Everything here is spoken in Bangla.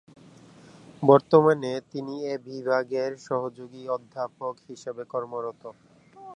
বর্তমানে তিনি এ বিভাগের সহযোগী অধ্যাপক হিসেবে কর্মরত।